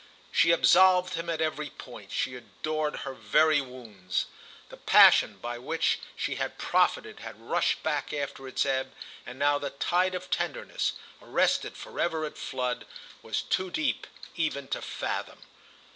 She absolved him at every point, she adored her very wounds. The passion by which he had profited had rushed back after its ebb, and now the tide of tenderness, arrested for ever at flood, was too deep even to fathom.